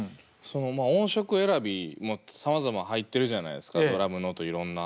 その音色選びもさまざま入ってるじゃないですかドラムの音いろんな。